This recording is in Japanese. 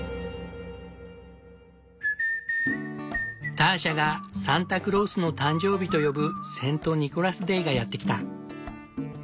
ターシャが「サンタクロースの誕生日」と呼ぶセント・ニコラスデーがやって来た。